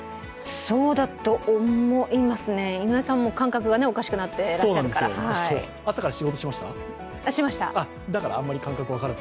そうだと思いますね、井上さんも感覚がおかしくなっていらっしゃいますから。